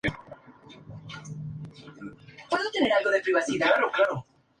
Es un proceso de gran importancia para obtener hilo de calidad.